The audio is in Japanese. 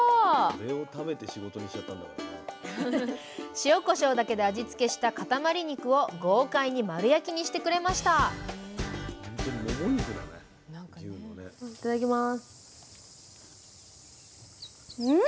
塩こしょうだけで味付けしたかたまり肉を豪快に丸焼きにしてくれましたいただきます。